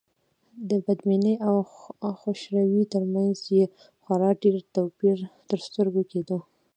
د بدبینۍ او خوشروی تر منځ یې خورا ډېر توپير تر سترګو کېده.